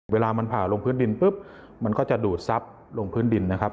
เวลามันผ่าลงพื้นดินปุ๊บมันก็จะดูดซับลงพื้นดินนะครับ